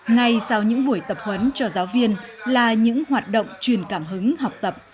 ngay sau những buổi tập huấn cho giáo viên là những hoạt động truyền cảm hứng học tập